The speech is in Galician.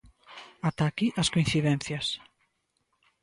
Ata aquí as coincidencias.